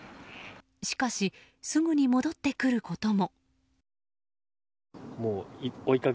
しかし、すぐに戻ってくることも。